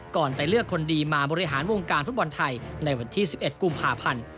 ไปเลือกคนดีมาบริหารวงการฟุตบอลไทยในวันที่๑๑กุมภาพันธ์